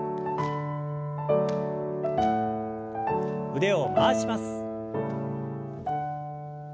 腕を回します。